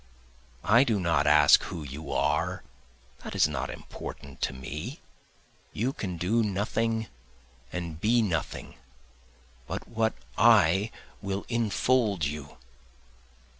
I do not ask who you are, that is not important to me, You can do nothing and be nothing but what I will infold you.